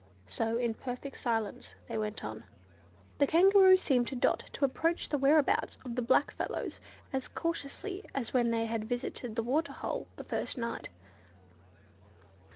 So in perfect silence they went on. The Kangaroo seemed to Dot to approach the whereabouts of the black fellows as cautiously as when they had visited the water hole the first night.